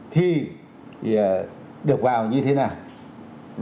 thì được vào như thế nào